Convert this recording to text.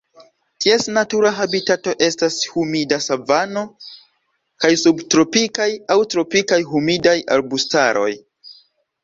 Ties natura habitato estas humida savano kaj subtropikaj aŭ tropikaj humidaj arbustaroj.